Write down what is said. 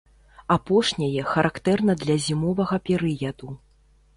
Апошняе характэрна для зімовага перыяду.